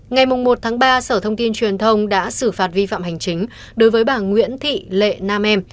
ngày một ba sở thông tin truyền thông đã xử phạt vi phạm hành chính đối với bà nguyễn thị lệ nam em